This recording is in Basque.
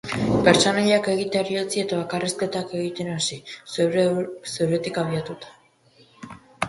Pertsonaiak egiteari utzi eta bakarrizketak egiten hasi, zeuretik abiatuta.